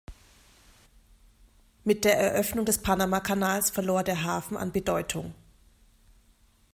Mit der Eröffnung des Panamakanals verlor der Hafen an Bedeutung.